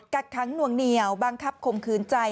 กัดคั้งนวงเหนียวบังคับคมคืนใจ